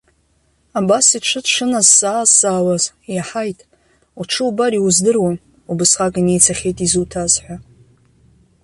Абас иҽы дшыназҵаа-азҵаауаз, иаҳаит, уҽы убар иуздыруам, убысҟак инеицахьеит изуҭаз ҳәа.